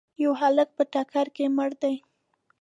یو هلک په ټکر کي مړ دی.